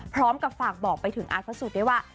พร้อมกับฝากบอกไปถึงอาร์ตพระสุทธิ์ว่า